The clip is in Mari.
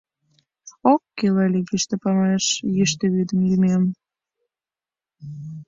Ок кӱл ыле йӱштӧ памаш йӱштӧ вӱдым йӱмем